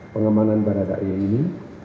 pengemanan para dae ini